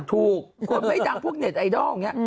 ถูกคนไม่ดังพวกเน็ตไอดอลอย่างนี้